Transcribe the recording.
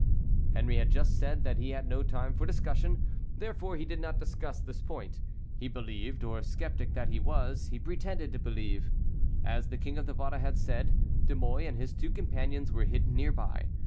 Henry had just said that he had no time for discussion; therefore he did not discuss this point. He believed, or sceptic that he was, he pretended to believe. As the King of Navarre had said, De Mouy and his two companions were hidden near by.